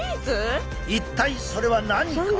一体それは何か？